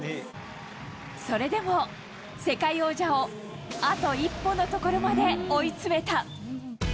それでも世界王者をあと一歩のところまで追い詰めた。